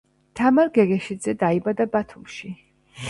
თამარ გეგეშიძე დაიბადა ბათუმში